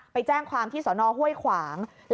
ไปแจ้งความที่สนห้วยขวาง